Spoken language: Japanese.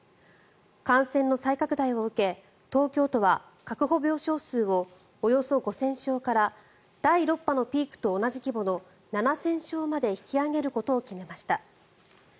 感染の再拡大を受け、東京都は確保病床数をおよそ５０００床から第６波のピークと同じ規模の７０００床まで引き上げることを決めました。